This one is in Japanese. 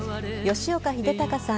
吉岡秀隆さん